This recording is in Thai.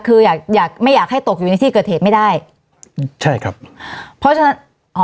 คืออยากอยากไม่อยากให้ตกอยู่ในที่เกิดเหตุไม่ได้ใช่ครับเพราะฉะนั้นอ๋อ